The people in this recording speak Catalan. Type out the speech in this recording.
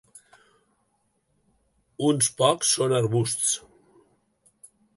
Uns pocs són arbusts.